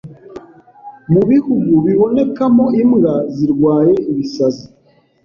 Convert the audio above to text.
Mu bihugu bibonekamo imbwa zirwaye ibisazi